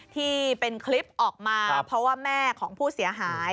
ที่เป็นคลิปออกมาเพราะว่าแม่ของผู้เสียหาย